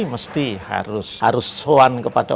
mesti harus soan kepada